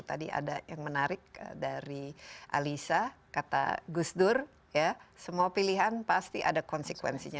tadi ada yang menarik dari alisa kata gus dur ya semua pilihan pasti ada konsekuensinya